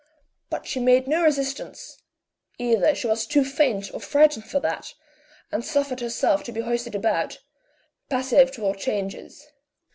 But she made no resistance; either she was too faint or frightened for that, and suffered herself to be hoisted about, "passive to all changes."